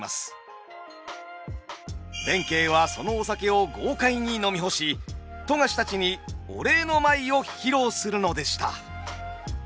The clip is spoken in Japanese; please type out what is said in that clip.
弁慶はそのお酒を豪快に飲み干し富樫たちにお礼の舞を披露するのでした。